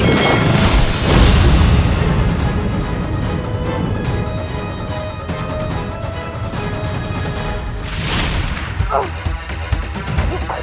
untuk mendapatkan makan